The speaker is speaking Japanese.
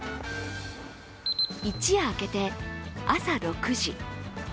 一夜明けて、朝６時。